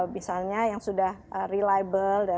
misalnya yang sudah reliable